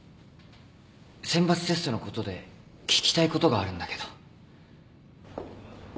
選抜テストのことで聞きたいことがあるんだけど。